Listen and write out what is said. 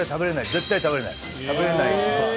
絶対食べられない。